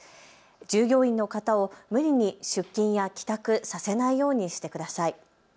従業員の方を無理に出勤や帰宅させないようにしてください。